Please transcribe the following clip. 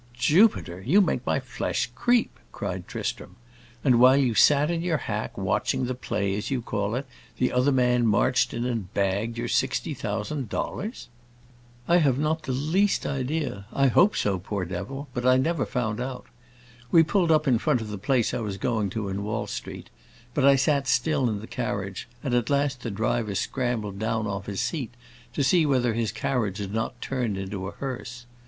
"Jupiter! you make my flesh creep!" cried Tristram. "And while you sat in your hack, watching the play, as you call it, the other man marched in and bagged your sixty thousand dollars?" "I have not the least idea. I hope so, poor devil! but I never found out. We pulled up in front of the place I was going to in Wall Street, but I sat still in the carriage, and at last the driver scrambled down off his seat to see whether his carriage had not turned into a hearse.